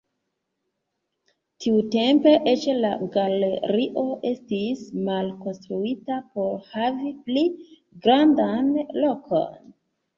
Tiutempe eĉ la galerio estis malkonstruita por havi pli grandan lokon.